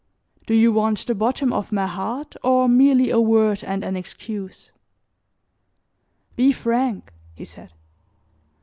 Do you want the bottom of my heart or merely a word and an excuse?" "Be frank!" he said.